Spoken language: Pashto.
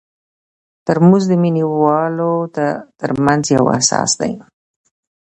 ترموز د مینه والو ترمنځ یو احساس دی.